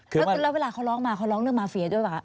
แล้วเวลาเขาร้องมาเขาร้องเรื่องมาเฟียด้วยป่ะ